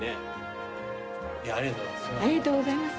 ありがとうございます。